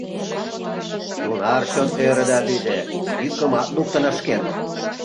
Тунар чот ӧрӧ да лӱдӧ — йӱкымат луктын ыш керт.